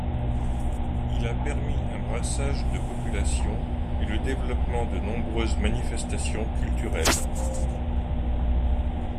Il a permis un brassage de population et le développement de nombreuses manifestations culturelles.